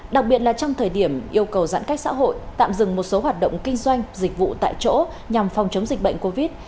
đặc biệt là trong thời điểm yêu cầu giãn cách xã hội tạm dừng một số hoạt động kinh doanh dịch vụ tại chỗ nhằm phòng chống dịch bệnh covid